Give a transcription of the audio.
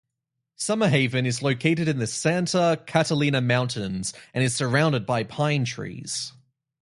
Summerhaven is located in the Santa Catalina Mountains and is surrounded by pine trees.